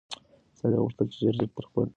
سړي غوښتل چې ژر تر ژره خپل ناروغ ته درمل ورسوي.